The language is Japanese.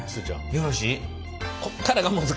よろしい？